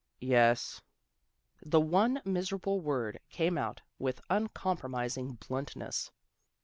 "" Yes." The one miserable word came out with uncompromising bluntness.